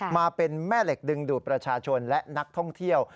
มาเป็นแม่เหล็กดึงดูดประชาชนและนักท่องเที่ยว